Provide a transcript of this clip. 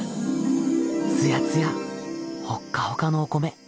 つやつやほっかほかのお米。